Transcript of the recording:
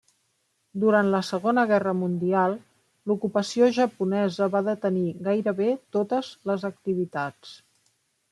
Durant la Segona Guerra Mundial, l'ocupació japonesa va detenir gairebé totes les activitats.